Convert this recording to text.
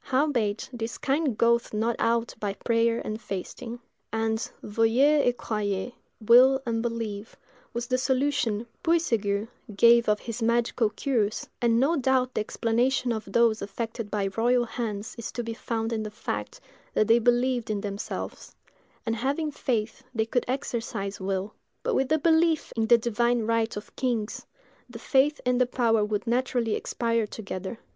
Howbeit, this kind goeth not out but by prayer and fasting." And, veuillez et croyez—will and believe—was the solution Puységur gave of his magical cures; and no doubt the explanation of those affected by royal hands is to be found in the fact that they believed in themselves; and having faith, they could exercise will. But, with the belief in the divine right of kings, the faith and the power would naturally expire together.